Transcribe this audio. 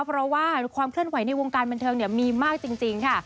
เพราะว่าความเคลื่อนไหวในวงการบันเทิงมีมากจริงค่ะ